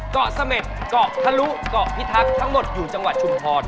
เกาะเสม็ดเกาะทะลุเกาะพิทักษ์ทั้งหมดอยู่จังหวัดชุมพร